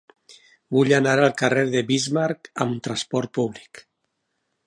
Vull anar al carrer de Bismarck amb trasport públic.